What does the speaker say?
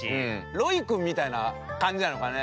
ロイ君みたいな感じなのかね。